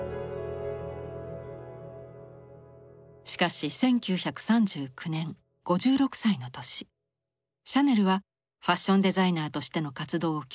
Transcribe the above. しかし１９３９年５６歳の年シャネルはファッション・デザイナーとしての活動を休止しました。